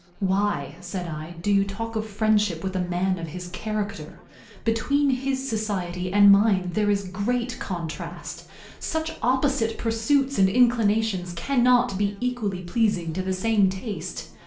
"Why," said I, "do you talk of friendship with a man of his character? Between his society and mine there is a great contrast. Such opposite pursuits and inclinations cannot be equally pleasing to the same taste.